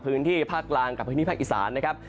พื้นที่ภาคกลางกับพื้นที่ภาคอีสานนะครับ